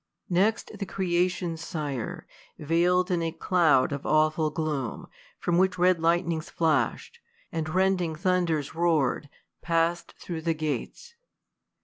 Next the Creation's Sire, vciPd in a cloud Of awful gloom, from which red lightnings flash'd. And rending thunders roar'd, pass'd through the gates.